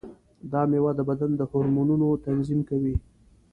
دا مېوه د بدن د هورمونونو تنظیم کوي.